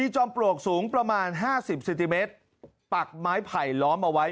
จอมปลวกสูงประมาณ๕๐เซนติเมตรปักไม้ไผลล้อมเอาไว้